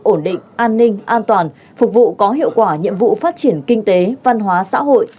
ổn định an ninh an toàn phục vụ có hiệu quả nhiệm vụ phát triển kinh tế văn hóa xã hội